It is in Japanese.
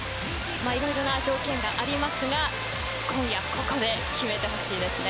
いろいろな条件がありますが今夜ここで決めてほしいですね。